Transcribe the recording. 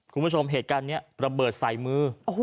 คุณผู้ชมเหตุการณ์นี้ระเบิดใส่มือ